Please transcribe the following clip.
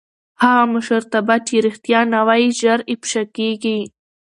هغه مشرتابه چې رښتیا نه وايي ژر افشا کېږي